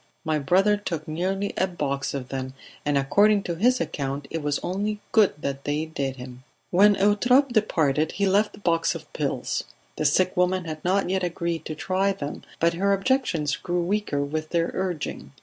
"My brother took nearly a box of them, and according to his account it was only good they did him." When Eutrope departed he left the box of pills; the sick woman had not yet agreed to try them, but her objections grew weaker with their urging.